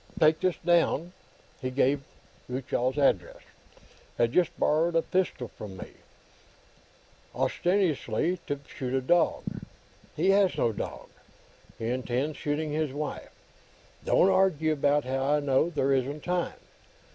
take this down" he gave Gutchall's address "has just borrowed a pistol from me, ostensibly to shoot a dog. He has no dog. He intends shooting his wife. Don't argue about how I know; there isn't time.